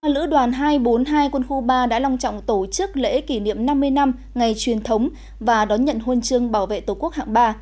lữ đoàn hai trăm bốn mươi hai quân khu ba đã long trọng tổ chức lễ kỷ niệm năm mươi năm ngày truyền thống và đón nhận huân chương bảo vệ tổ quốc hạng ba